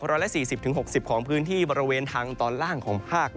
ร้อยละ๔๐๖๐ของพื้นที่บริเวณทางตอนล่างของภาค